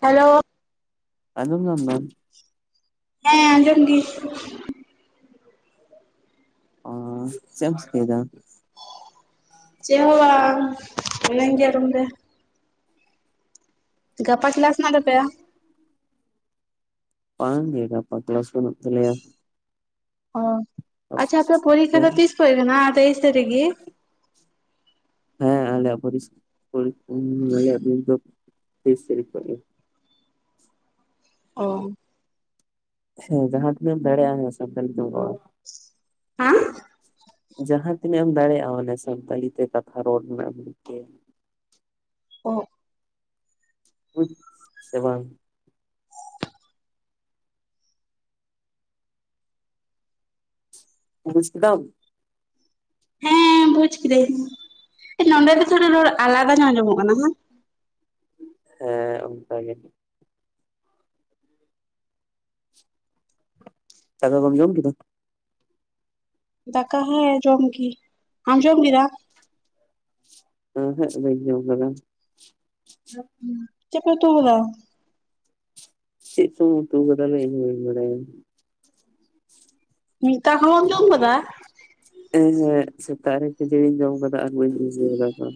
Hello, ᱟᱸᱡᱚᱢ ᱧᱟᱢ ᱮᱫᱟᱢ, ᱦᱮᱸ ᱟᱸᱡᱚᱢ ᱜᱮ, ᱚ ᱪᱮᱫ ᱮᱢ ᱪᱤᱠᱟᱹᱭᱮᱫᱟ ᱾ ᱪᱮᱫ ᱦᱚᱸ ᱵᱟᱝ ᱢᱤᱱᱟᱹᱧ ᱜᱮᱭᱟ ᱨᱩᱢ ᱨᱮ, ᱜᱟᱯᱟ ᱠᱮᱞᱟᱥ ᱦᱮᱱᱟᱜ ᱛᱟᱯᱮᱭᱟ? ᱯᱟᱝ ᱜᱮ ᱜᱟᱯᱟ ᱠᱮᱞᱟᱥ ᱵᱟᱹᱱᱩᱜ ᱛᱟᱞᱮᱭᱟ᱾ ᱚ ᱟᱪᱪᱷᱟ ᱟᱯᱮᱭᱟᱜ ᱯᱚᱨᱤᱠᱷᱟ ᱫᱚ ᱛᱤᱥ ᱠᱷᱚᱡ ᱠᱟᱱᱟ ᱛᱮᱭᱤᱥ ᱛᱟᱹᱨᱤᱠ ᱜᱮ? ᱦᱮᱸ ᱟᱞᱮᱭᱟ ᱯᱚᱨᱤᱥ ᱯᱚᱨᱤ ᱟᱞᱮᱭᱟ ᱯᱚᱨᱤᱠᱷᱟ ᱛᱮᱭᱤᱥ ᱛᱟᱨᱤᱠ ᱠᱷᱚᱱ ᱜᱮ᱾ ᱚ ᱦᱮᱸ ᱡᱟᱦᱟᱸ ᱛᱤᱱᱟᱹᱢ ᱫᱟᱲᱮᱭᱟᱜ ᱥᱟᱱᱛᱟᱞᱤ ᱛᱮ ᱨᱚᱲ᱾ ᱟᱢ ᱡᱟᱦᱟᱸ ᱛᱤᱱᱟᱹᱢ ᱫᱟᱲᱮᱭᱟᱜ ᱚᱱᱮ ᱥᱟᱱᱛᱟᱲᱤ ᱛᱮ ᱠᱟᱛᱷᱟ ᱨᱚᱲ ᱨᱮᱱᱟᱜ ᱢᱤᱫ ᱜᱮ ᱚ ᱵᱩᱡᱽ ᱥᱮ ᱵᱟᱝ ᱵᱩᱡᱽ ᱠᱮᱫᱟᱢ? ᱦᱮᱸ ᱵᱩᱡᱽ ᱠᱤᱫᱟᱹᱧ ᱱᱚᱸᱰᱮ ᱫᱚ ᱛᱷᱚᱲᱟ ᱨᱚᱲ ᱟᱞᱟᱫᱟ ᱧᱚᱜ ᱟᱸᱡᱚᱢᱚᱜ ᱠᱟᱱᱟ᱾ ᱦᱮᱸ ᱚᱱᱠᱟ ᱜᱮ᱾ ᱫᱟᱠᱟ ᱠᱚᱢ ᱡᱚᱢ ᱠᱮᱫᱟ? ᱫᱟᱠᱟ ᱦᱮᱸ ᱡᱚᱢ ᱜᱤ ᱟᱢ ᱡᱚᱢ ᱠᱮᱫᱟᱢ? ᱩ ᱦᱩᱸᱜ ᱵᱟᱹᱧ ᱡᱚᱢ ᱠᱟᱫᱟ᱾ ᱪᱮᱫ ᱯᱮ ᱩᱛᱩ ᱠᱟᱫᱟ? ᱪᱮᱫ ᱪᱚ ᱩᱛᱩ ᱠᱟᱫᱟᱞᱮ ᱤᱧᱦᱚᱸ ᱵᱟᱹᱧ ᱵᱟᱰᱟᱭᱟ᱾ ᱢᱤᱫᱫᱷᱟᱣ ᱦᱚᱸ ᱵᱟᱢ ᱡᱚᱢ ᱠᱟᱫᱟ ᱮᱸ ᱦᱮᱸᱜ ᱥᱮᱛᱟᱜ ᱨᱮ ᱠᱷᱟᱹᱡᱟᱹᱲᱤᱧ ᱡᱚᱢ ᱠᱟᱫᱟ ᱟᱨ ᱵᱟᱹᱧ ᱵᱩᱡᱫᱟᱲᱮ ᱠᱟ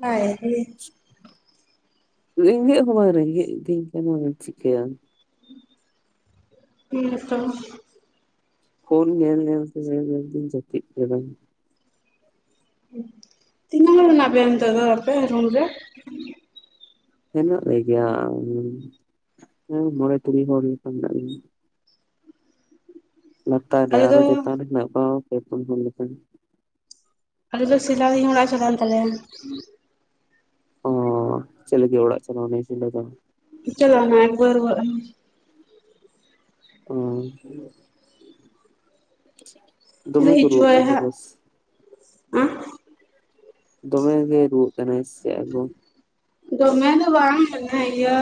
ᱦᱟᱭ ᱦᱤ ᱨᱮᱸᱜᱮᱡ ᱦᱚᱸ ᱵᱟᱝ ᱨᱮᱸᱜᱮᱡ ᱤᱫᱤᱧ ᱠᱟᱱᱟ ᱟᱫᱚᱢ ᱪᱤᱠᱟᱹᱭᱟ᱾ ᱦᱮᱸ ᱛᱚ ᱯᱷᱳᱱ ᱧᱮᱞ ᱧᱮᱞ ᱛᱮᱜᱤᱧ ᱡᱟᱹᱯᱤᱫ ᱠᱮᱫᱟ᱾ ᱛᱤᱱᱟᱹᱜ ᱦᱚᱲ ᱢᱮᱱᱟᱜ ᱯᱮᱭᱟ ᱱᱤᱛᱚᱜ ᱫᱚ ᱟᱯᱮ ᱨᱩᱢ ᱨᱮ? ᱦᱮᱱᱟᱜ ᱞᱮᱜᱮᱭᱟ ᱩᱸ ᱢᱚᱬᱮ ᱛᱩᱨᱩᱭ ᱦᱚᱲ ᱞᱮᱠᱟ ᱢᱮᱱᱟᱜ ᱞᱮᱭᱟ᱾ ᱞᱟᱛᱟᱨ ᱨᱮ, ᱟᱞᱮ ᱫᱚ ᱟᱨᱦᱚᱸ ᱪᱮᱛᱟᱱ ᱨᱮ, ᱦᱮᱱᱟᱜ ᱠᱚᱣᱟ ᱦᱚᱲ ᱯᱮ ᱯᱩᱱ ᱦᱚᱲ ᱞᱮᱠᱟ᱾ ᱟᱞᱮ ᱫᱚ ᱥᱮᱞᱟᱤᱱ ᱚᱲᱟᱜ-ᱮ ᱪᱟᱞᱟᱣᱮᱱ ᱛᱟᱞᱮᱭᱟ᱾ ᱳᱭ ᱪᱮ ᱞᱟᱹᱜᱤᱫ ᱚᱲᱟᱜ-ᱮ ᱪᱟᱞᱟᱣ ᱱᱮ ᱡᱤᱞ ᱫᱟᱠᱟ ᱪᱟᱞᱟᱣ ᱱᱟᱭ ᱵᱟᱹᱨᱦᱟᱹ ᱟᱱᱩ᱾ ᱚ ᱫᱚᱢᱮ ᱠᱚ ᱨᱩᱣᱟᱹᱜ ᱠᱟᱱ ᱞᱟᱹᱭᱪᱟᱭᱦᱟᱸᱜ, ᱛᱟᱠᱚᱣᱟ ᱟᱸ ᱫᱚᱢᱮᱜᱮ ᱨᱩᱣᱟᱹᱜ ᱠᱟᱱᱟᱭ ᱥᱮ ᱟᱭ ᱵᱟᱹᱦᱩ᱾ ᱫᱚᱢᱮ ᱫᱚ ᱵᱟᱝ ᱦᱤᱱᱟᱭ ᱜᱤᱭᱟ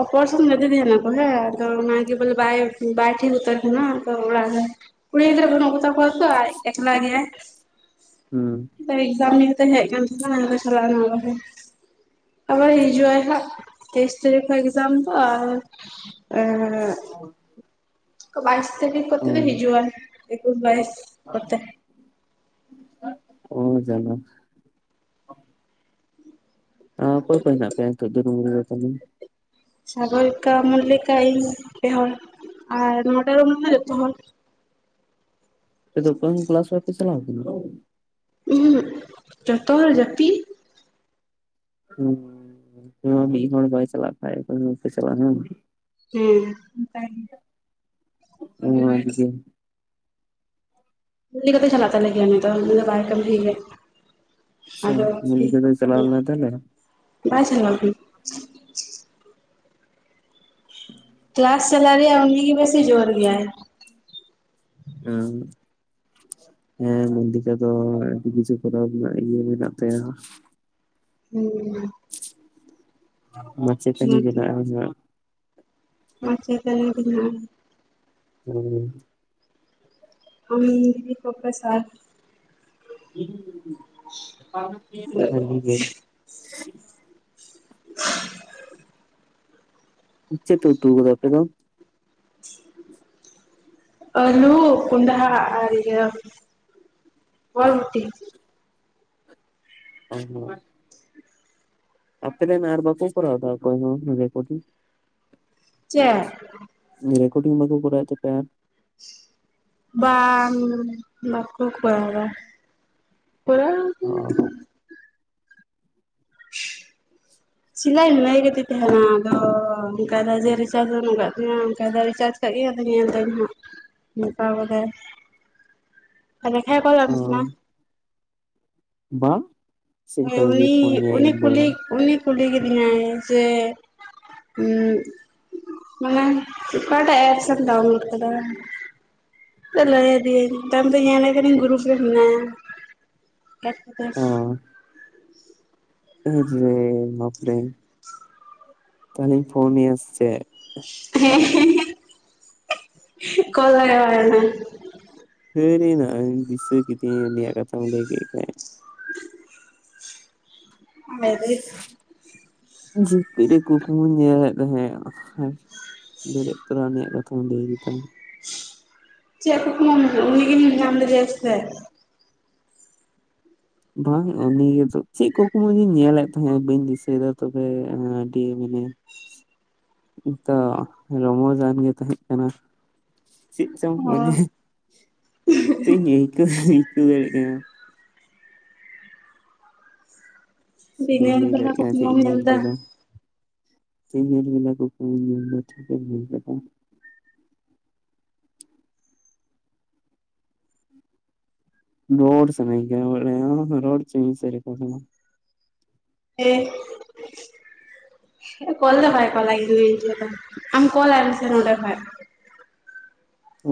ᱚᱠᱚᱭ ᱥᱟᱶ ᱡᱟᱹᱛᱤ ᱫᱩᱧ ᱞᱮᱯᱚᱭᱟ᱾ ᱛᱚ ᱚᱱᱟᱜᱮ ᱵᱚᱞᱮ ᱵᱟᱭ ᱵᱟᱭ ᱛᱷᱤᱨ ᱩᱛᱟᱹᱨ ᱠᱟᱱᱟ ᱛᱚ ᱚᱲᱟᱜᱨᱮ ᱠᱩᱲᱤ ᱜᱤᱫᱽᱨᱟᱹ ᱵᱟᱹᱱᱩᱜ ᱠᱚᱛᱟ ᱠᱚᱣᱟ᱾ ᱥᱩᱫᱷᱩ ᱟᱭ, ᱮᱠᱞᱟ ᱜᱮᱭᱟᱭ᱾ ᱦᱩᱸ ᱵᱟᱭ ᱮᱠᱡᱟᱢ ᱤᱭᱟᱹᱛᱮ ᱦᱮᱡᱽ ᱠᱟᱱ ᱛᱤᱧᱟ ᱪᱟᱞᱟᱣ ᱨᱩᱣᱟᱹᱲᱚᱜ ᱟᱞᱮ᱾ ᱟᱨᱦᱚᱸ ᱦᱤᱡᱩᱜᱟᱭ ᱦᱟᱸᱜ ᱛᱮᱭᱤᱥ ‌ ᱛᱟᱹᱨᱤᱠᱷ ᱠᱷᱚᱭ ᱮᱠᱡᱟᱢ ᱫᱚ ᱟᱨ ᱮᱸ ᱵᱟᱭᱤᱥ ᱛᱟᱨᱤᱠᱷ ᱚ ᱠᱚᱛᱮ ᱫᱚ ᱦᱤᱡᱩᱜᱼᱟᱭ, ᱮᱠᱩᱥ ᱵᱟᱭᱤᱥ ᱠᱚᱛᱮ ᱚ ᱡᱟᱱᱟ ᱟᱯᱮ ᱯᱟᱸᱡᱟ ᱯᱮᱭᱟ ᱠᱟᱹᱡ ᱫᱚ ᱨᱩᱭᱟᱹᱲ ᱟᱠᱟᱱᱤ᱾ ᱥᱟᱜᱚᱨᱤᱠᱟ, ᱢᱚᱞᱞᱤᱠᱟ, ᱤᱧ ᱯᱮ ᱦᱚᱲ ᱟᱨ ᱱᱚᱸᱰᱮ ᱫᱚᱱᱟ ᱡᱚᱛᱚ ᱦᱚᱲ᱾ ᱟᱯᱮ ᱫᱚ ᱫᱚᱝ ᱠᱮᱞᱟᱥ ᱵᱟᱯᱮ ᱪᱟᱞᱟᱣ ᱟᱠᱟᱱᱟ᱾ ᱩᱸ ᱡᱚᱛᱚ ᱦᱚᱲ ᱡᱟᱹᱯᱤ ᱦᱩᱸ ᱯᱮ ᱦᱚᱲ, ᱢᱤᱫ ᱦᱚᱲ ᱵᱟᱭ ᱪᱟᱞᱟᱜ ᱠᱷᱟᱡ ᱫᱟᱲᱮᱠᱟ ᱟᱯᱮᱥᱟᱞᱟ ᱦᱩᱸ ᱦᱮᱸᱦᱮᱸ ᱚᱱᱠᱟᱜᱤ ᱚᱦᱚᱸᱦᱟᱱ ᱜᱮ᱾ ᱠᱩᱞᱤ ᱠᱟᱛᱮ ᱪᱟᱞᱟᱜ ᱛᱟᱞᱮᱜᱮᱭᱟ ᱱᱩᱭ ᱫᱚ᱾ ᱟᱭ ᱠᱟᱱ ᱜᱮ ᱟᱪᱪᱷᱟ ᱟᱫᱚ ᱢᱚᱞᱞᱤᱠᱟ ᱫᱚᱭ ᱪᱟᱞᱟᱣ [inaudible] ᱞᱮᱱᱟ ᱛᱟᱦᱚᱞᱮ? ᱵᱟᱭ ᱥᱮᱤᱱ [inaudible] ᱠᱞᱟᱥ ᱪᱟᱞᱟᱜ ᱨᱮᱭᱟᱜ ᱩᱱᱤ ᱜᱮ ᱵᱮᱥᱤ ᱡᱳᱨ ᱜᱮᱭᱟᱭ᱾ ᱦ [inaudible] ᱦᱮᱸ ᱢᱚᱱᱫᱤᱠᱟ ᱫᱚ ᱟᱹᱰᱤ ᱠᱤᱪᱷᱩ ᱠᱚᱨᱚᱣ ᱨᱮᱭᱟᱜ ᱤᱭᱟᱹ ᱢᱮᱱᱟᱜ ᱛᱟᱭᱟ᱾ ᱦᱮᱸ‌ᱦᱮᱸ ᱢᱟᱪᱮᱫ ᱛᱟᱱᱤᱜ ᱵᱮᱱᱟᱜ -ᱟ ᱢᱟᱪᱮᱫ ᱛᱟᱱᱤᱜ ᱵᱮᱱᱟᱜ -ᱟ ᱦᱩᱸ [inaudible] ᱟᱢ ᱫᱤᱫᱤ ᱯᱨᱚᱯᱮᱥᱟᱨ ᱟᱞᱤ ᱜᱮ [unintelligible] [unintelligible] ᱪᱚᱫ ᱯᱮ ᱩᱛᱩ ᱟᱠᱟᱫᱟ ᱟᱯᱮ ᱫᱚ? ᱟᱞᱩ ᱠᱚᱱᱰᱷᱟ ᱟᱲᱟᱜ ᱟᱨ ᱤᱭᱟᱹ ᱵᱷᱚᱨᱴᱤ᱾ ᱦ [unintelligible] ᱟᱯᱮ ᱨᱮᱱ ᱟᱨ ᱵᱟᱠᱚ ᱠᱚᱨᱟᱣ ᱫᱟ ᱚᱠᱭᱦᱚᱸ ᱨᱮᱠᱳᱰᱤᱧ ᱪᱮ ᱨᱮᱠᱳᱰᱤᱧ ᱵᱟᱠᱚ ᱠᱚᱟᱭ ᱛᱟᱯᱮᱭᱟ ᱵᱟᱝ ᱵᱟ ᱠᱚ ᱠᱚᱨᱟᱣ ᱫᱟ᱾ ᱟᱨ? [unintelligible] [unintelligible] ᱥᱤᱞᱟᱹᱭ ᱦᱟᱹᱭ ᱜᱮᱛᱤ ᱛᱟᱦᱮᱱᱟ ᱟᱫᱚ ᱚᱱᱠᱟ ᱡᱮ ᱨᱤᱪᱟᱪ ᱵᱟᱹᱱᱩᱜ ᱟᱠᱟᱫ ᱛᱤᱧᱟ ᱠᱟ᱾ ᱪᱤᱠᱟᱹᱜ ᱜᱮ ᱛᱟᱦᱮᱸᱧ ᱦᱟᱸᱜ ᱱᱚᱠᱟ ᱠᱚ ᱞᱮᱠᱷᱟᱭ ᱠᱚ ᱛᱟᱦᱮᱱᱟ [inaudible] ᱵᱟᱝ ᱦᱮᱸ ᱩᱱᱤ ᱩᱱᱤ ᱠᱩᱞᱤ ᱩᱱᱤ ᱠᱩᱞᱤ ᱠᱤᱫᱤᱧᱟᱭ ᱡᱮ ᱦ ᱱᱟᱣᱟ ᱚᱠᱟᱴᱟᱜ ᱮᱯᱥᱢ ᱰᱟᱣᱩᱱᱞᱳᱰ ᱠᱟᱫᱟ᱾ ᱞᱟᱹᱭ ᱟᱫᱮᱭᱟᱹᱧ ᱛᱟᱭᱚᱢ ᱛᱮ ᱧᱮᱞᱮ ᱠᱟᱹᱧ ᱜᱩᱨᱩᱯ ᱨᱮ ᱢᱮᱱᱟᱭᱟ᱾ ᱦ [unintelligible] [unintelligible] ᱛᱦᱞᱮᱧ ᱯᱷᱳᱱ ᱟᱭᱟ ᱥᱮᱪᱮᱫ? ᱦᱮᱸ ᱦᱮᱸ [unintelligible] ᱠᱚᱞ ᱞᱟᱜᱟ ᱟᱭ ᱢᱮ [inaudible] ᱥᱟᱹᱨᱤ ᱱᱟᱜ ᱫᱤᱥᱟ ᱠᱮᱫᱮᱭᱟ ᱩᱱᱤ ᱭᱟᱜ ᱠᱟᱛᱷᱟᱢ ᱞᱟᱹᱭ ᱠᱮᱫ ᱠᱷᱟᱡ᱾ ᱦᱟᱭ ᱨᱮ ᱾ ᱡᱟᱹᱯᱤᱫ ᱨᱮ ᱠᱩᱠᱢᱩ ᱧᱮᱞᱮᱫ ᱛᱟᱦᱮᱸᱫ᱾ [unintelligible] ᱛᱩᱨᱟ ᱩᱱᱤᱭᱟᱜ ᱠᱟᱛᱷᱟᱢ ᱞᱟᱹᱭ ᱠᱮᱫᱟᱢ [inaudible] ᱪᱮᱫ ᱠᱩᱠᱢᱩ ᱩᱱᱤᱜᱤᱢ ᱧᱟᱢ ᱞᱮᱫᱮᱭᱟ ᱥᱮᱪᱮᱫ? ᱵᱟᱝ ᱩᱱᱤ ᱜᱮ ᱪᱮᱫ ᱠᱩᱠᱢᱩᱧ ᱧᱮᱞᱮᱫ ᱛᱟᱦᱮᱸᱫ ᱵᱟᱹᱧ ᱫᱤᱥᱟᱹᱭᱮᱫᱟ ᱛᱚᱵᱮ ᱟᱹᱰᱤ ᱢᱟᱱᱮ᱾ ᱛᱚ ᱨᱚᱢᱚᱡᱟᱱ ᱜᱮ ᱛᱟᱦᱮᱸ ᱠᱟᱱᱟ᱾ ᱪᱮᱫ ᱪᱚᱝ ᱚ ᱢᱟᱱᱮ ᱪᱮᱫ [inaudible] ᱟᱹᱭᱠᱟᱹᱣ ᱫᱟᱲᱭᱟᱜ ᱠᱟᱱᱟ᱾ ᱵᱟᱹᱧ ᱫᱤᱱᱟᱹᱢ ᱞᱟᱹᱭ ᱵᱮᱞᱟ ᱫᱟᱲᱮᱜ ᱠᱟᱱᱟ ᱪᱮᱫ ᱠᱩᱠᱢᱩᱢ ᱤᱧ ᱧᱮᱞ ᱫᱟ ᱠᱮᱫᱟ᱾ ᱫᱤᱱᱮᱨ ᱵᱮᱞᱟ ᱠᱩᱠᱢᱩᱧ ᱧᱮᱞ ᱫᱟ ᱴᱷᱤᱠ ᱮᱢ ᱞᱟᱹᱭ ᱠᱟᱫᱟ ᱾ ᱨᱚᱨ ᱥᱟᱱᱟᱧ ᱠᱟᱱᱟ ᱵᱟᱲᱟᱭᱟᱢ ᱨᱚᱨ ᱦᱚᱪᱚᱧ ᱢᱮᱥᱮ ᱨᱮᱠᱷᱟ ᱥᱟᱞᱟᱜ ᱾ ᱮᱸᱷ [inaudible] ᱠᱚᱞ ᱫᱚ ᱵᱟᱭ [inaudible] ᱟᱢ ᱠᱚᱞ ᱟᱭ ᱢᱮᱥᱮ ᱱᱚᱸᱰᱮ ᱠᱷᱚᱡ ᱾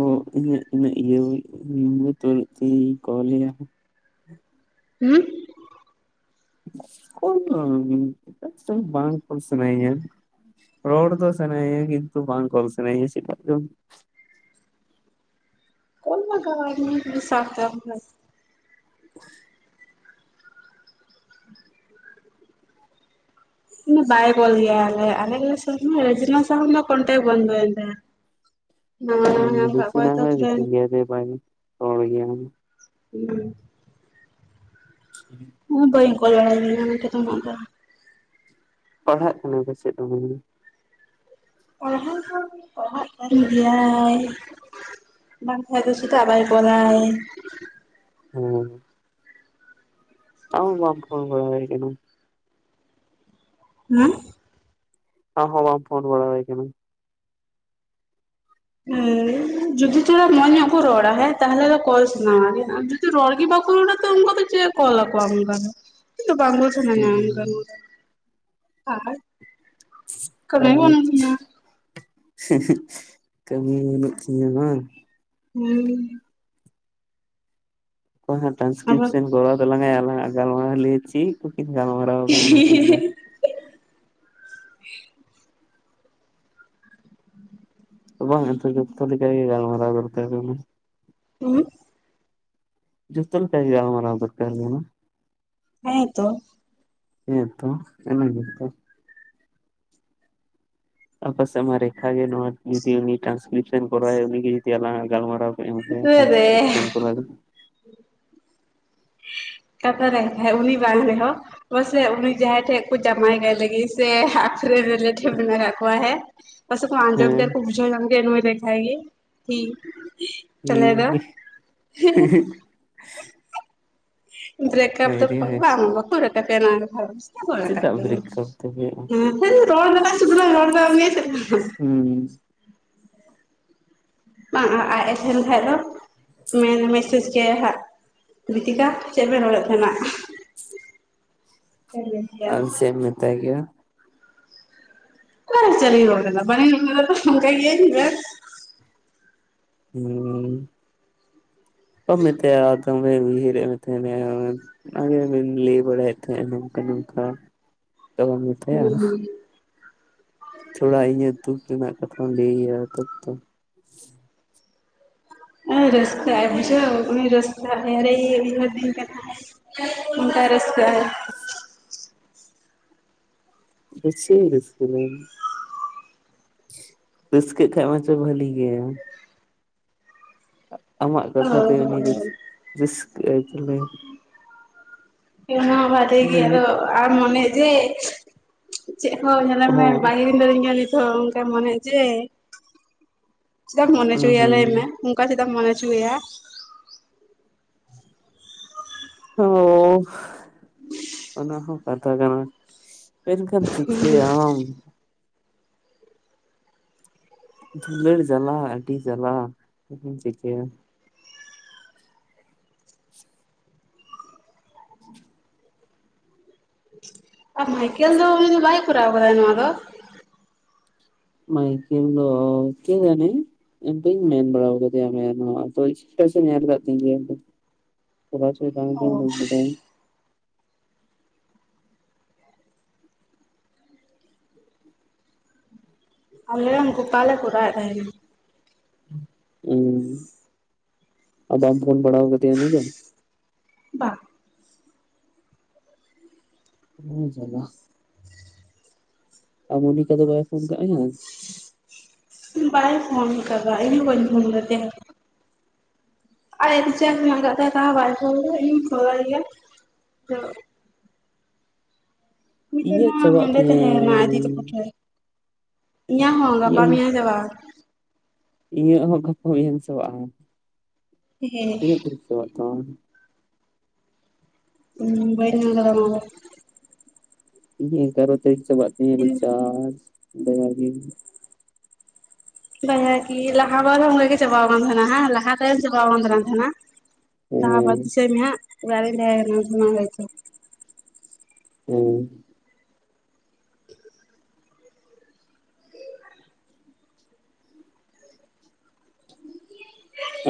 ᱚ ᱤᱧ ᱤᱧᱟᱹᱜ [inaudible] ᱤᱭᱟᱹ ᱦᱤᱢᱢᱟᱹᱛ ᱵᱟᱱᱩᱜ ᱛᱤᱧᱟ ᱡᱮᱧ ᱠᱚᱞ ᱟᱭᱟ ᱾ ᱦᱮᱸ [inaudible] ᱵᱟᱝ ᱠᱚᱞ ᱥᱟᱱᱟᱭᱤᱧᱟ ᱾ ᱨᱚᱲ ᱫᱚ ᱥᱟᱱᱟᱭᱤᱧᱟ ᱠᱤᱱᱛᱩ ᱵᱟᱝ ᱠᱚᱞ ᱥᱟᱱᱟᱧᱟ, ᱪᱮᱫᱟᱜ ᱪᱚᱝ ᱾ ᱠᱚᱞ ᱞᱟᱜᱟᱣᱟᱭᱢᱮ ᱡᱩᱫᱤ ᱥᱟᱵ ᱛᱟᱢ ᱠᱷᱟᱡ᱾ [unintelligible] ᱦ [unintelligible] [unintelligible] ᱵᱟᱭ ᱠᱚᱞ ᱜᱮᱭᱟ ᱟᱞᱮ ᱟᱞ [unintelligible] ᱥᱟᱶ ᱦᱚ ᱠᱚᱱᱴᱮᱜ ᱵᱚᱱᱫᱚᱭᱮᱱ ᱛᱟᱭᱟ ᱾ [inaudible] ᱦᱮᱸ [unintelligible] ᱢᱤᱛᱟᱹᱧ ᱜᱮᱭᱟ ᱡᱮ ᱵᱟᱭ ᱨᱚᱲ ᱜᱮᱭᱟ ᱾ ᱦᱩᱸ [unintelligible] ᱦᱚ ᱵᱟᱹᱧ ᱠᱚᱞ ᱵᱟᱲᱟᱭᱤᱧ ᱩᱱᱤ ᱴᱷᱮᱡ ᱫᱚ ᱚᱱᱟ ᱛᱮ ᱾ ᱯᱟᱲᱦᱟᱜ ᱠᱟᱱᱟ ᱯᱟᱪᱮᱫ ᱫᱚᱢᱮ ᱾ ᱯᱟᱲᱦᱟᱣ ᱫᱚᱸ ᱯᱟᱲᱦᱟᱜ ᱠᱟᱱ ᱜᱮᱭᱟᱭ ᱾ ᱵᱟᱝ ᱠᱷᱟᱡ ᱫᱚ ᱪᱮᱫᱟᱜ ᱵᱟᱭ ᱠᱚᱞᱟᱭ ᱾ ᱦᱩᱸ ᱟᱢ ᱦᱚ ᱵᱟᱢ ᱯᱷᱳᱱ ᱵᱟᱲᱟ ᱟᱭ ᱠᱟᱱᱟ ᱾ ᱦᱩᱸ? ᱟᱢ ᱦᱚᱸ ᱵᱟᱢ ᱯᱷᱳᱱ ᱵᱟ ᱠᱟᱱᱟ ᱾ ᱦᱩᱸ ᱡᱩᱫᱤ ᱛᱷᱚᱲᱟ ᱢᱚᱸᱡᱽ ᱧᱚᱜ ᱠᱚ ᱨᱚᱲᱟ ᱦᱮᱸ ᱛᱟᱦᱞᱮ ᱫᱚ ᱠᱚᱞ ᱥᱟᱱᱟᱣᱟ ᱾ [unintelligible] ᱨᱚᱲᱜᱤ ᱵᱟᱠᱩ ᱨᱚᱲᱟ ᱛᱚ ᱩᱱᱠᱩ ᱫᱚ ᱪᱮᱫ ᱠᱚᱞ ᱠᱚᱣᱟᱢ ᱚᱱᱠᱟ ᱫᱚ ᱾ ᱤᱧ ᱦᱚ ᱵᱟᱝ ᱨᱚᱲ ᱥᱟᱱᱟᱧᱟ [unintelligible] [unintelligible] ᱠᱟᱹᱢᱤ ᱵᱟᱹᱱᱩᱜ ᱛᱤᱧᱟ [unintelligible] ᱠᱟᱹᱢᱤ ᱵᱟᱹᱱᱩᱜ ᱛᱤᱧᱟᱹ ᱵᱟᱝ ᱻ ᱦᱩᱸ ᱾ ᱚᱠᱚᱭ ᱦᱟᱜ ᱟᱵᱟᱨ ᱴᱟᱱᱠᱨᱤᱯᱥᱚᱱ ᱠᱚᱨᱟᱭ ᱛᱟᱞᱟᱝ ᱟᱭ ᱟᱞᱟᱜ ᱟᱜ ᱜᱟᱞᱢᱟᱨᱟᱣ ᱞᱟᱹᱭᱟᱭ ᱪᱮᱫ ᱠᱩᱠᱤᱱ ᱜᱟᱞᱢᱟᱨᱟᱣ ᱠᱟᱱᱟ ᱱᱩᱠᱤᱱ ᱫᱚ ᱾ ᱵᱟᱝ ᱟᱫᱚ ᱡᱚᱛᱚ ᱞᱮᱠᱟ ᱜᱮ ᱜᱟᱞᱢᱟᱨᱟᱣ ᱫᱚᱨᱠᱟᱨ ᱠᱟᱱᱟ ᱾ ᱦᱩᱸ ᱡᱚᱛᱚ ᱞᱮᱠᱟ ᱜᱮ ᱜᱟᱞᱢᱟᱨᱟᱣ ᱫᱚᱨᱠᱟᱨ ᱠᱟᱱᱟ ᱾ ᱦᱮᱸ ᱛᱚ‌ ᱾ ᱦᱮ ᱛᱚ ᱚᱱᱟ ᱜᱮ ᱛᱚ ᱾ ᱟᱨ ᱯᱟᱥᱮ ᱢᱟ ᱨᱮᱠᱷᱟ ᱜᱮ ᱱᱚᱣᱟ ᱡᱫᱤ ᱩᱱᱤ ᱴᱨᱟᱱᱥᱠᱨᱤᱯᱥᱚᱱ ᱠᱚᱨᱟᱣᱟᱭ ᱩᱱᱤ ᱡᱩᱚᱫᱤ ᱟᱞᱟᱝ ᱜᱟᱞᱢᱟᱨᱟᱣ ᱦᱮᱸ ᱜᱳᱢᱠᱮᱹ ᱨᱮ ᱴᱨᱟᱱᱥᱠᱤᱯᱥᱚᱱ ᱠᱚ ᱦᱳᱞᱳ, ᱠᱟᱛᱷᱟ ᱨᱮ ᱮᱱ ᱠᱷᱟᱡ, ᱩᱱᱤ ᱵᱟᱝ ᱨᱮᱦᱚᱸ ᱦᱚᱭ ᱥᱮ ᱩᱱᱤ ᱡᱟᱦᱟᱸᱭ ᱴᱷᱮᱡ ᱠᱚ ᱡᱟᱶᱟᱭ ᱠᱟᱭ ᱞᱟᱹᱜᱤᱫ ᱥᱮ ᱨᱮ ᱨᱮᱞᱮᱴᱤᱵᱷ ᱢᱮᱱᱟᱜ ᱠᱚᱣᱟ ᱦᱮᱸ ᱯᱟᱥᱮ ᱠᱚ ᱟᱧᱡᱚᱢ ᱠᱮᱜ ᱦᱮᱸ ᱟᱠᱩ [unintelligible] ᱜᱮ ᱞᱮᱠᱟᱭ ᱜᱮ, ᱠᱤ ᱛᱟᱦᱞᱮ ᱫᱚ ᱵᱨᱮᱠᱟᱯ ᱦᱟᱭ ᱫᱚ ᱨᱮ ᱦᱟᱭ ᱵᱟᱝ ᱵᱟᱠᱩ [unintelligible] ᱱᱚᱣᱟ ᱨᱮᱫᱚ ᱦᱟᱸᱜ ᱪᱮᱫᱟᱜ ᱵᱨᱮᱠᱟᱯ ᱫᱚ ᱦᱩᱭᱩᱜᱼᱟ [unintelligible] ᱨᱚᱲ ᱫᱚ ᱥᱩᱫᱩᱞᱟᱝ ᱨᱚᱲᱫᱟ ᱩᱱᱤᱭᱟᱜ ᱦᱩᱸ ᱵᱟᱝ ᱟᱡ ᱮ ᱥᱮᱱ ᱞᱮᱠᱷᱟᱡ ‌ᱫᱚ ᱢᱮᱱ ᱢᱮᱥᱮᱡᱽ ᱠᱮᱭᱟᱭ ᱦᱟᱸᱜ ᱜᱤᱛᱤᱠᱟ ᱪᱮᱫ ᱵᱮᱱ ᱨᱚᱲᱮᱫ ᱛᱟᱦᱮᱱᱟ ᱚᱱᱠᱟ‌ ᱜᱮ ᱟ ᱪᱮᱫ ᱢᱮᱛᱟᱭ ᱜᱮᱭᱟ ᱚᱠᱟ ᱨᱮ ᱪᱮᱫ ᱞᱤᱧ ᱨᱚᱲ ᱠᱟᱫᱟ ᱛᱚ ᱵᱟᱞᱤᱧ ᱨᱚᱲ ᱠᱟᱫᱟ ᱛᱚ ᱚᱱ‌ ᱠᱟᱭ ᱜᱮᱭᱟᱞᱤᱧ ᱡᱟᱥᱴ ᱦᱩᱸ ᱵᱟᱢ ᱢᱮᱛᱟᱭᱟ ᱟ ᱟᱢ ᱵᱟᱭ ᱩᱭᱦᱟᱹᱨᱮᱫ ᱢᱮ ᱛᱟᱦᱮᱸᱱᱮ ᱩᱱ ᱟᱵᱮᱱ ᱵᱮᱱ ᱞᱮᱭ ᱵᱟᱲᱟᱭᱮᱫ ᱛᱟᱦᱮᱸ ᱱᱚᱝᱠᱟ ᱱᱚᱝᱠᱟ ᱟᱫᱚ ᱵᱟᱢ ᱢᱮᱛᱟᱭᱟ ᱦᱩᱸ ᱛᱷᱚᱲᱟ ᱤᱧᱟᱹᱜ ᱫᱩᱠᱷ ᱨᱮᱱᱟᱜ ᱠᱟᱛᱷᱟᱢ ᱞᱟᱹᱭᱟ ᱛᱚᱵᱮ ᱛᱚ ᱦᱩᱸ ᱨᱟᱹᱥᱠᱟᱹᱜ ᱵᱩᱡᱷᱟᱹᱣ ᱩᱱᱤ ᱨᱟᱹᱥᱠᱟᱹᱜ ᱮᱸᱰᱮ ᱮ ᱩᱭᱦᱟᱹᱨ ᱫᱤᱧ ᱠᱟᱱᱟᱭ ᱚᱱᱠᱟᱭ ᱨᱟᱹᱥᱠᱟᱹᱜ-ᱟᱭ ᱫᱚ ᱪᱮᱫ ᱤᱧ ᱨᱟᱹᱥᱠᱟᱹ ᱞᱟᱹᱭ ᱢᱮ ᱨᱟᱹᱥᱠᱟᱹᱜ ᱠᱷᱟᱡ ᱢᱟᱪᱚ ᱵᱷᱟᱹᱞᱤ ᱜᱮ ᱟᱢᱟᱜ ᱚ ᱠᱟᱛᱷᱟᱛᱮ ᱩᱱᱤ ᱨᱟᱹᱥᱠᱟᱹᱜ ᱟᱭ ᱛᱟᱦᱚᱞᱮ ᱚᱱᱟ ᱵᱟᱨᱮ ᱜᱮ ᱦᱚᱸ ᱟᱫᱚ ᱟᱢ ᱢᱚᱱᱮᱭᱮᱜ ᱡᱮ ᱪᱮᱫ ᱦᱚᱸ ᱧᱮᱞ ᱢᱮ ᱵᱟᱭ ᱦᱩᱸ ᱫᱩᱞᱟᱹᱲᱤᱧ ᱜᱮᱭᱟ ᱱᱤᱛ ᱦᱚᱸ ᱚᱱᱠᱟ ᱢᱚᱱᱮ ᱡᱮ ᱪᱮᱫᱟᱢ ᱢᱚᱱᱮ ᱦᱚᱪᱚᱭᱮᱭᱟ ᱞᱟᱹᱭ ᱢᱮ᱾ ᱦᱩᱸ ᱚᱱᱠᱟ ᱪᱮᱫᱟᱢ ᱢᱚᱱᱮ ᱦᱚᱪᱚ ᱟᱭᱟ ᱚ ᱚᱱᱟ ᱦᱚᱸ ᱠᱟᱛᱷᱟ ᱠᱟᱱᱟ᱾ ᱮᱱ ᱡᱚᱠᱷᱟᱱ ᱪᱤᱠᱟᱹᱭᱟᱢ ᱫᱩᱞᱟᱹᱲ ᱡᱟᱞᱟ ᱟᱹᱰᱤ ᱡᱟᱞᱟ ᱪᱮᱫᱤᱧ ᱪᱤᱠᱟᱹᱭᱟ [inaudible] [inaudible] ᱟᱨ ᱢᱟᱭᱠᱮᱞ ᱫᱚ ᱩᱱᱤ ᱫᱚ ᱵᱟᱭ ᱠᱚᱨᱟᱣ ᱠᱟᱫᱟᱭ ᱱᱚᱣᱟ ᱫᱚ? ᱢᱟᱭᱠᱮᱞ ᱫᱚ ᱠᱮ ᱡᱟᱱᱮ ᱤᱧ ᱵᱟᱹᱧ ᱢᱮᱱ ᱵᱟᱲᱟ ᱠᱟᱫᱮᱭᱟ ᱢᱮ ᱦᱚᱸ ᱥᱴᱮᱴᱟᱥ ᱮ ᱧᱮᱞ ᱠᱟᱫ ᱛᱤᱧ ᱜᱮᱭᱟ ᱠᱚᱨᱟᱣ ᱦᱚᱪᱚᱭᱮ ‌ᱠᱟᱱ ᱚ ᱵᱟᱹᱧ ᱵᱟᱰᱟᱭᱟᱧ ᱟᱞᱮ ᱦᱚᱸ ᱜᱟᱯᱟ ᱞᱮ ᱠᱚᱨᱟᱣᱮᱫ ᱛᱟᱦᱮᱸᱱᱟ᱾ ᱦᱩᱸ, ᱟᱫᱚ ᱵᱟᱢ ᱯᱷᱳᱱ ᱵᱟᱲᱟᱣ ᱠᱟᱫᱮᱭᱟ ᱩᱱᱤ ᱫᱚ? [unintelligible] ᱵᱟᱝ ᱚ ᱡᱟᱞᱟ, ᱟᱨ ᱢᱚᱱᱤᱠᱟ ᱫᱚ ᱵᱟᱭ ᱯᱷᱳᱱ ᱠᱟᱜ ᱢᱮᱭᱟ? ᱵᱟᱭ ᱯᱷᱳᱱ ᱠᱟᱫᱟ ᱤᱧ ᱦᱚᱸᱚ ᱵᱟᱹᱧ ᱯᱷᱳᱱ ᱠᱟᱫᱮᱭᱟ ᱟᱡᱟᱜ ᱨᱩᱪᱟᱨᱡ ᱦᱮᱱᱟᱜ ᱠᱟᱜ ᱛᱟᱣᱟ ᱛᱟᱣ ᱦᱚᱸ ᱵᱟᱭ ᱯᱷᱳᱱ ᱠᱟᱫᱟ ᱤᱧ ᱯᱷᱳᱱᱟᱭ ᱜᱮᱭᱟ, ᱛᱚ ᱢᱤᱫ ᱤᱧᱟᱹᱜ ᱥᱮᱨᱢᱟ ᱪᱟᱵᱟᱜ ᱦᱟᱸᱰᱮ ᱛᱤᱧᱟᱹ ᱛᱟᱦᱮᱸ ᱠᱟᱱᱟᱭ ᱟᱡ ᱫᱤ ᱛᱟᱠᱚ ᱴᱷᱮᱱ᱾ ᱤᱧᱟᱹᱜ ᱦᱚᱸ ᱜᱟᱯᱟ ᱢᱮᱭᱟᱝ ᱪᱟᱵᱟᱜ-ᱟ ᱤᱧᱟᱹᱜ ᱦᱚᱸ ᱜᱟᱯᱟ ᱢᱮᱭᱟᱝ ᱪᱟᱵᱟᱜ-ᱟ, ᱦᱮᱸ ᱛᱤᱱᱟᱹᱜ ᱛᱟᱨᱤᱠ‌ ᱪᱟᱵᱟᱜ ᱛᱟᱢᱟ ᱟᱢᱟᱜ? [unintelligible] ᱤᱧᱟᱜ ᱦᱚᱸ ᱛᱮᱨᱚ ᱛᱟᱨᱤᱠ ᱪᱟᱵᱟᱜ ᱛᱤᱧᱟ ᱨᱤᱪᱟᱨᱡᱽ ᱫᱚ, [unintelligible] [unintelligible] ᱞᱟᱦᱟ ᱵᱟᱨ ᱦᱚᱸ ᱚᱱᱠᱟᱜ ᱜᱮ ᱪᱟᱵᱟᱣ ᱟᱠᱟᱱ ᱛᱟᱦᱮᱱᱟ ᱦᱮᱸ ᱞᱟᱦᱟ ᱛᱟᱭᱚᱢ ᱪᱟᱵᱟ ᱟᱠᱟᱱ ᱛᱟᱦᱮᱸᱱᱟ, [inaudible] ᱞᱟᱦᱟ ᱵᱟᱨ ᱦᱮᱸ ᱫᱤᱥᱟᱹᱭ ᱢᱮ ᱦᱟᱸᱜ ᱚᱲᱟᱜ ᱨᱮᱧ ᱛᱟᱦᱮ ᱠᱟᱱᱟ [unintelligible] ᱞᱟᱹᱭ ᱛᱮ [inaudible] [unintelligible]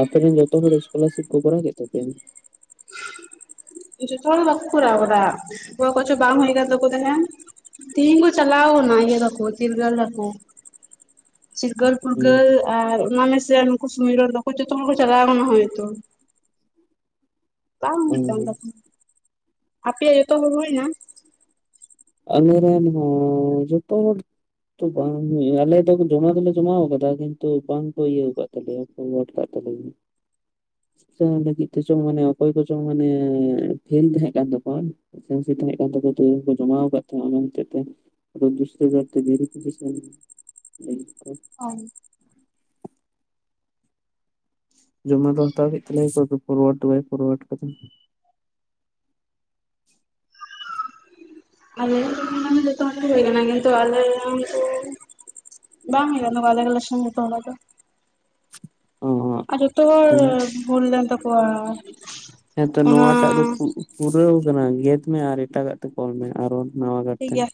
ᱟᱯᱮ ᱨᱮᱱ ᱡᱚᱛᱚ ᱦᱚᱲ ᱥᱠᱚᱞᱟᱨᱥᱤᱯ ᱠᱚ ᱠᱚᱨᱟᱣ ᱠᱮᱫ ᱛᱟᱯᱮᱭᱟ? ᱡᱚᱛᱚ ᱦᱚᱲ ᱫᱚ ᱵᱟ ᱠᱚ ᱠᱚᱨᱟᱦ ᱟᱠᱟᱫᱟ ᱚᱠᱚᱭ ᱠᱚᱪ ᱵᱟᱝ ᱦᱩᱭ ᱟᱠᱟᱱ ᱛᱟᱠᱚ ᱛᱟᱦᱮᱸᱱ᱾ ᱛᱤᱦᱤᱧ ᱠᱚ ᱪᱟᱞᱟᱣ ᱠᱟᱱᱟ ᱤᱭᱟᱹ ᱛᱟᱠᱩ ᱪᱤᱨᱜᱟᱹᱞ ᱛᱟᱠᱩ᱾ ᱪᱤᱨᱜᱟᱹᱞ ᱯᱷᱩᱨᱜᱟᱹᱞ ᱟᱨ ᱚᱱᱟ ᱢᱮᱥᱮ ᱨᱮ ᱱᱩᱠᱩ ᱥᱩᱢᱤᱨᱚᱱ ᱛᱟᱠᱚ ᱡᱚᱛᱚ ᱦᱚᱲ ᱠᱚ ᱪᱟᱞᱟᱣ ᱟᱠᱟᱱᱟ ᱦᱚᱭᱛᱚ, ᱾ ᱵᱟᱝ ᱟᱯᱮᱛ ᱦᱭᱱᱟ [unintelligible] ᱟᱞᱮ ᱱᱚᱣᱟ ᱡᱚᱛᱚ ᱦᱚᱲ, [unintelligible] ᱛᱚ ᱵᱟᱝ ᱟᱞᱮ ᱫᱚ ᱡᱚᱢᱟ ᱫᱚᱞᱮ ᱡᱚᱢᱟ ᱟᱠᱟᱫᱟ ᱠᱤᱱᱛᱩ ᱵᱟᱝ ᱠᱚ ᱤᱭᱟᱹ ᱟᱠᱟᱫ ᱛᱟᱞᱮᱭᱟ ᱜᱰ ᱠᱫ ᱛᱟᱞᱮᱭᱟ᱾ [unintelligible] [unintelligible] ᱪ ᱞᱟᱹᱜᱤᱫ ᱛᱮ ᱪᱚᱝ ᱢᱟᱱᱮ ᱚᱠᱚᱭ ᱠᱪᱚᱝ ᱢᱟᱱᱮ ᱯᱷᱮᱞ ᱛᱟᱦᱮᱸᱦ ᱠᱟᱱ ᱛᱟᱠᱚᱣᱟ ᱠᱟᱱ ᱛᱟᱠᱚᱣᱟ ᱥᱮ ᱥ ᱠᱚ [unintelligible] ᱡᱚᱢᱟ ᱟᱠᱟᱫ ᱛᱟᱦᱮᱫ ᱫᱚᱥᱟ [unintelligible] ᱟᱨ [unintelligible] ᱡᱚᱢᱟ ᱫᱚ ᱦᱟᱛᱟᱣ ᱦᱩᱭᱮᱱ ᱛᱟᱞᱮ ᱯᱷᱚᱨᱣᱟᱰ ᱫᱚ ᱵᱟᱭ ᱯᱷᱚᱨᱣᱟᱰ ᱠᱟᱫᱟ [inaudible] ᱟᱞᱮ ᱡᱚᱛᱚ ᱦᱚᱲᱟᱜ ᱠᱤᱱᱛᱩ ᱟᱞᱮ [unintelligible] ᱵᱟᱝ ᱱᱚᱣᱟ ᱟᱞᱮ ᱜᱮᱞᱮ ᱥᱚᱢ ᱜᱮᱛ ᱚᱱᱟ ᱫᱚ ᱾ [unintelligible] ᱚ ᱟᱨ ᱡᱚᱛᱚ ᱵᱷᱩᱞ ᱞᱮᱱ ᱛᱟᱠᱚᱣᱟ᱾ [unintelligible] ᱦᱮᱸᱛᱚ ᱚᱱᱟ ᱱᱚᱣᱟᱴᱟᱜ ᱫᱚ? [unintelligible] ᱯᱩᱨᱟᱹᱣ ᱟᱠᱟᱱᱟ ᱜᱮᱫ ᱢᱮ ᱟᱨ ᱮᱴᱟᱜᱟ ᱛᱮ ᱠᱚᱞ ᱢᱮ ᱟᱨᱚ ᱱᱟᱣᱟ ᱜᱟᱨ ᱴᱷᱤᱠ ᱛᱮ, ᱜᱮᱭᱟ [inaudible]